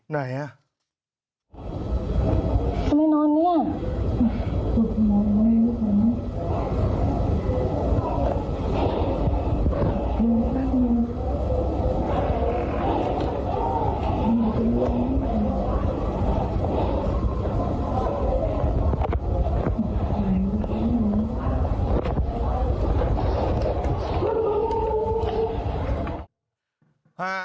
ไหนอ่ะ